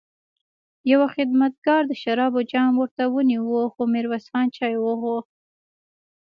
يوه خدمتګار د شرابو جام ورته ونيو، خو ميرويس خان چای وغوښت.